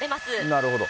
なるほど。